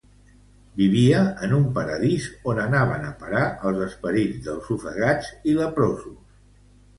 Vivia en un Paradís on anaven a parar els esperits dels ofegats i leprosos.